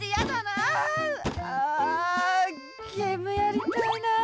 あゲームやりたいな。